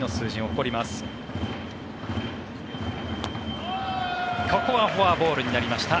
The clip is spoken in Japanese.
ここはフォアボールになりました。